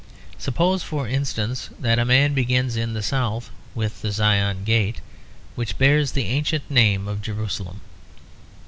Suppose, for instance, that a man begins in the south with the Zion Gate, which bears the ancient name of Jerusalem.